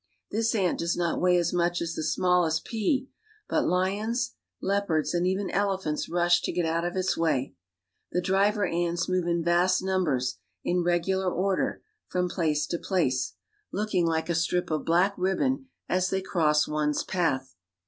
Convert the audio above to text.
This ant does not weigh as much as the smallest pea, but lions, leopards, and even elephants ^h to get out of its way. The driver ants move in vast [obers, in regular order, from place to place, looking like I 4 1 74 AFRICA a strip of black ribbon as they cross one's path.